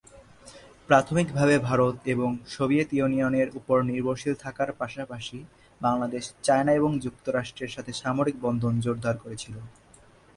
প্রাথমিকভাবে ভারত এবং সোভিয়েত ইউনিয়নের উপর নির্ভরশীল থাকার পাশাপাশি বাংলাদেশ চায়না এবং যুক্তরাষ্ট্রের সাথে সামরিক বন্ধন জোরদার করেছিলো।